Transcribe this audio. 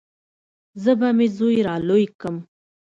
زه به مې زوى رالوى کم.